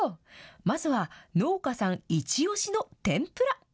まずは農家さん一押しの天ぷら。